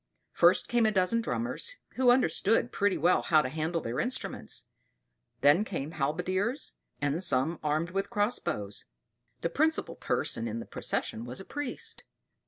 First came a dozen drummers, who understood pretty well how to handle their instruments; then came halberdiers, and some armed with cross bows. The principal person in the procession was a priest.